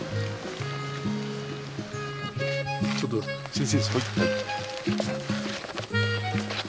ちょっと先生。